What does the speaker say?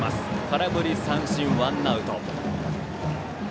空振り三振、ワンアウト。